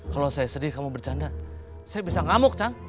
kalau saya sedih kamu bercanda saya bisa ngamuk kang